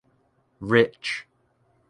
Rich.